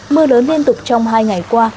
mưa lớn liên tục trong hai ngày qua